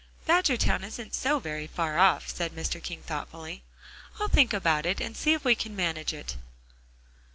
"Badgertown isn't so very far off," said Mr. King thoughtfully, "I'll think about it and see if we can manage it."